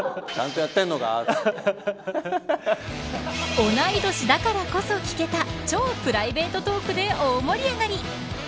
おない年だからこそ聞けた超プライベートトークで大盛り上がり。